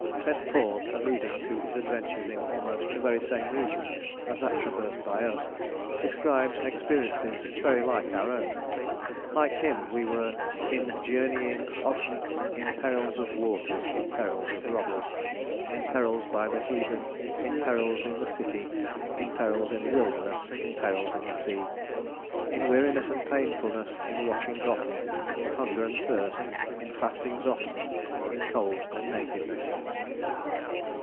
St Paul, alluding to his adventures in almost the very same region as that traversed by us, describes experiences very like our own. Like him, we were "in journeyings often, in perils of waters, in perils of robbers, ... in perils by the heathen, in perils in the city, in perils in the wilderness, in perils in the sea, ... in weariness and painfulness, in watchings often, in hunger and thirst, in fastings often, in cold and nakedness."